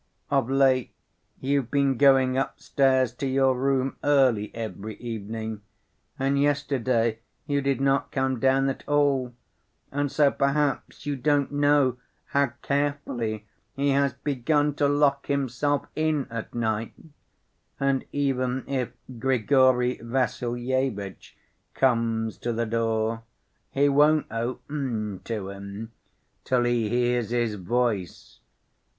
Of late you've been going upstairs to your room early every evening, and yesterday you did not come down at all, and so perhaps you don't know how carefully he has begun to lock himself in at night, and even if Grigory Vassilyevitch comes to the door he won't open to him till he hears his voice.